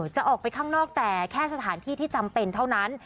จะออกไปข้างนอกแต่แค่สถานที่ที่จำเป็นเท่านั้น